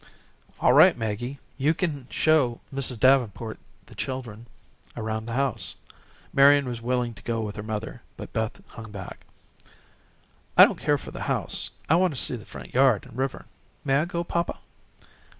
"All right, Maggie. You can show Mrs. Davenport and the children around the house." Marian was willing to go with her mother, but Beth hung back. "I don't care for the house. I want to see the front yard and river. May I go, papa?"